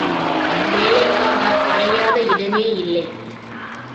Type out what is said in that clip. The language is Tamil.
வேலைக்காக அலையாத இடமே இல்லை.